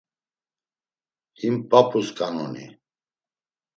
Him p̌ap̌usǩanoni?